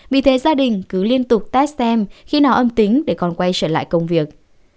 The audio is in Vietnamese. vì thế gia đình cứ liên tục test xem khi nào âm tính để còn quay trở lại công việc